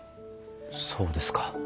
そうですか。